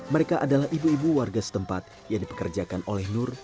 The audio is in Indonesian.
mereka adalah ibu ibu warga setempat yang dipekerjakan oleh nur